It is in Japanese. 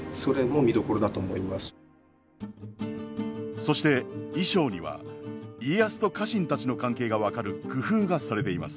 そして衣装には家康と家臣たちの関係が分かる工夫がされています。